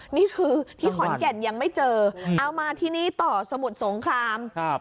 นี่คือที่ขอนแก่นยังไม่เจอเอามาที่นี่ต่อสมุทรสงครามครับ